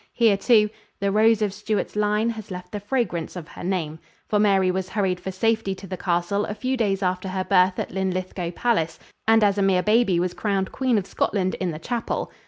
Here too, "The rose of Stuart's line Has left the fragrance of her name," for Mary was hurried for safety to the castle a few days after her birth at Linlithgow Palace, and as a mere baby was crowned Queen of Scotland in the chapel.